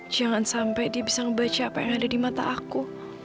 jangan sampai dia bisa membaca apa yang ada di mata aku